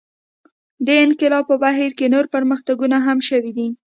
دې انقلاب په بهیر کې نور پرمختګونه هم شوي دي.